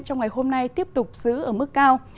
trong ngày hôm nay tiếp tục giữ ở mức cao